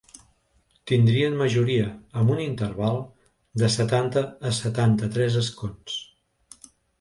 Tindrien majoria, amb un interval de setanta a setanta-tres escons.